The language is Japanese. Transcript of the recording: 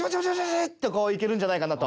こういけるんじゃないかなと。